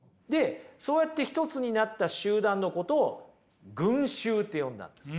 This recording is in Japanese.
そうやって一つになった集団のことを群衆って呼んだんです。